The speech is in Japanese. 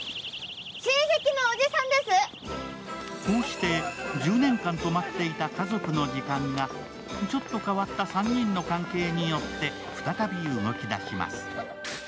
こうして１０年間止まっていた家族の時間がちょっと変わった３人の関係によって再び動き出します。